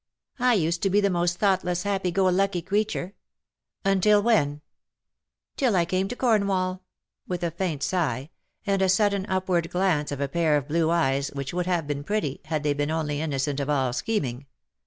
I used to be the most thought less happy go lucky creature .'''' Until when ?'" Till I came to Cornwall,''^ with a faint sigh, and a sudden upward glance of a pair of blue eyes which would have been pretty, had they been only innocent of all scheming.